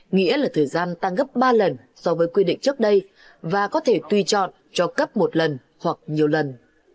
nghĩa là thời gian tăng gấp ba lần so với quy định trước đây và có thể tùy chọn cho cấp một lần hoặc nhiều lần